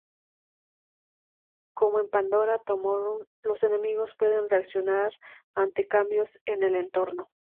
Como en Pandora Tomorrow, los enemigos pueden reaccionar ante cambios en el entorno.